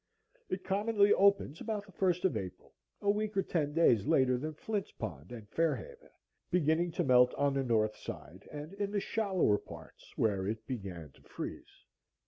It commonly opens about the first of April, a week or ten days later than Flint's Pond and Fair Haven, beginning to melt on the north side and in the shallower parts where it began to freeze.